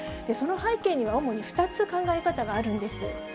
その背景には、主に２つ考え方があるんです。